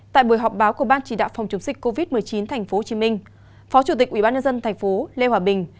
tại buổi họp báo của ban chỉ đạo phòng chống dịch covid một mươi chín tp hcm phó chủ tịch ubnd tp lê hòa bình